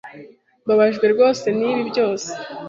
Mbabajwe rwose nibi byose.